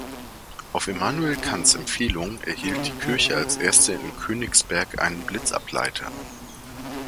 Auf Immanuel Kants Empfehlung erhielt die Kirche als erste in Königsberg einen Blitzableiter.